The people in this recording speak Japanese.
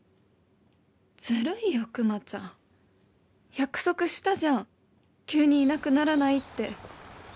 「ずるいよくまちゃん、約束したじゃん、急にいなくならないって。